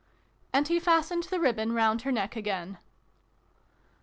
And he fastened the ribbon round her neck again.